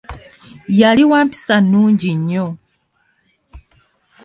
Yali wa mpisa nnungi nnyo.